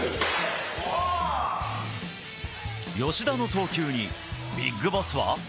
吉田の投球にビッグボスは。